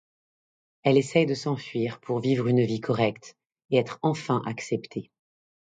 Elle essaie de s'enfuir pour vivre une vie correcte et être enfin acceptée.